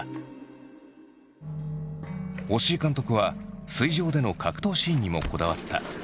押井監督は水上での格闘シーンにもこだわった。